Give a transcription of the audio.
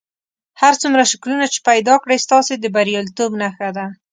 هر څومره شکلونه چې پیدا کړئ ستاسې د بریالیتوب نښه ده.